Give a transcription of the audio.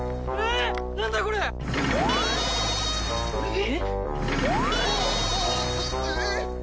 えっ！？